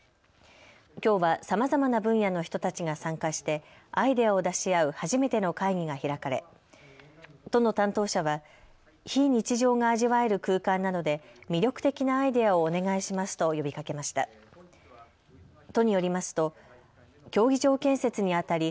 きょうはさまざまな分野の人たちが参加して、アイデアを出し合う初めての会議が開かれ都の担当者は非日常が味わえる空間なので魅力的なアイデアをお願いしますと呼びかけました。